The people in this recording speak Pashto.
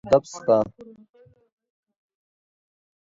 ادب سته.